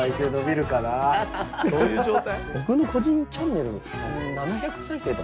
どういう状態？